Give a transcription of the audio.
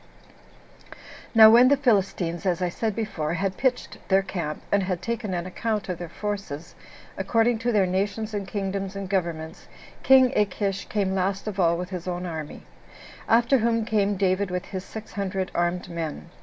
5. Now when the Philistines, as I said before, had pitched their camp, and had taken an account of their forces, according to their nations, and kingdoms, and governments, king Achish came last of all with his own army; after whom came David with his six hundred armed men.